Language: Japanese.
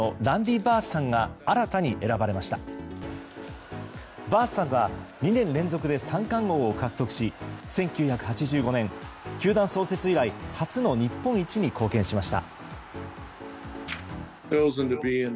バースさんは２年連続で３冠王を獲得し１９８５年、球団創設以来初の日本一に貢献しました。